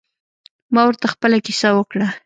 ما ورته خپله کیسه وکړه.